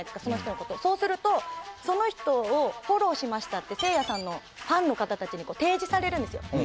その人のことそうするとその人をフォローしましたってせいやさんのファンの方たちに提示されるんですよ